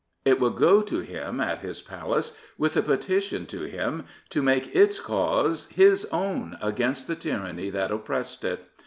It would go to him at his Palace with a petition to him to make its cause his own against the tyranny that oppressed it.